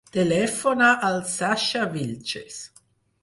Telefona al Sasha Vilches.